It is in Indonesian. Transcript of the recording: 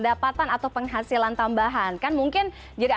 apalagi itu langkah mill financier initiator dari mereka